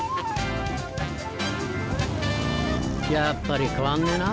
やっぱり変わんねえな。